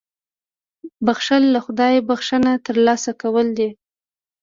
• بښل له خدایه بښنه ترلاسه کول دي.